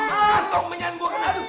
gantung menyan buah kena